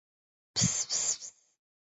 出入口分为北口与南口两处。